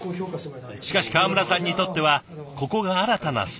しかし川村さんにとってはここが新たなスタートライン。